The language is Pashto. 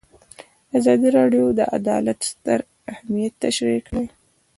ازادي راډیو د عدالت ستر اهميت تشریح کړی.